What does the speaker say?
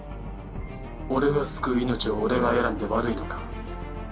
俺が救う命を俺が選んで悪いのか？